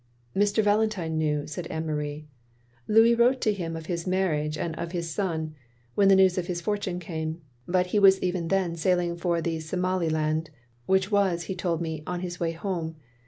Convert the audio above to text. "Mr. Valentine knew," said Anne Marie. "Louis wrote to him of his marriage, and of his son, when the news of his forttine came. But he was even then sailing for the Somaliland, which was, he told me, on his way home.